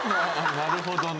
「なるほどな」